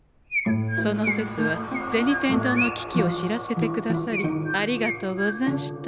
その節は銭天堂の危機を知らせてくださりありがとうござんした。